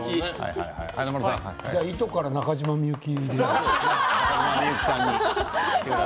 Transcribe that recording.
糸から中島みゆき。